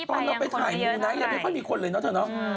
ตอนเราไปถ่ายมูนะยังไม่ค่อยมีคนเลยเนาะเธอเนาะ